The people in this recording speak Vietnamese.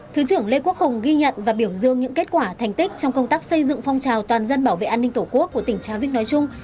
thứ trưởng lê quốc hùng ghi nhận và biểu dương những kết quả thành tích trong công tác xây dựng phong trào toàn dân bảo vệ an ninh tổ quốc của tỉnh trà vinh nói chung